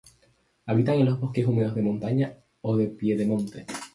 Habitan en los bosques húmedos de montaña o de piedemonte.